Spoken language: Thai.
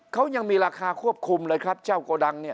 เขายังมีราคาควบคุมเลยครับเจ้าโกดังเนี่ย